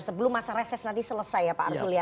sebelum masa reses nanti selesai ya pak arsul ya